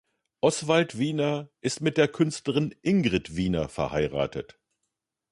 Oswald Wiener ist mit der Künstlerin Ingrid Wiener verheiratet.